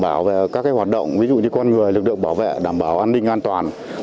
bảo về các hoạt động ví dụ như con người lực lượng bảo vệ đảm bảo an ninh an toàn